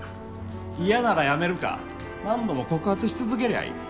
嫌なら辞めるか何度も告発し続けりゃいい。